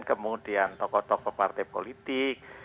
kemudian tokoh tokoh partai politik